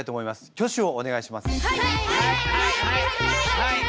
挙手をお願いします。